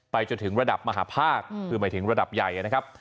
จนถึงระดับมหาภาคคือหมายถึงระดับใหญ่นะครับ